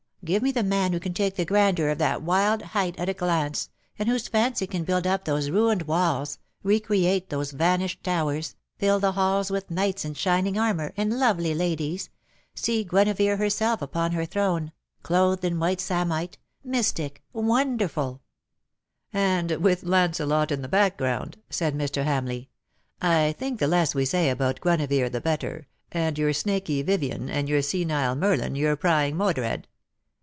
give me the man who can take in the grandeur of that wild height at a glance, and whose fancy can build up those ruined walls, re create those vanished towers, fill the halls with knights in shining armour, and lovely ladies — see Guinevere herself upon her throne — clothed in white samite — mystic, wonderful V "And with Lancelot in the background,''^ said Mr. Hamleigh. " I think the less we say about Guinevere the better, and your snaky Vivien, and your senile Merlin, your prying ^lodred.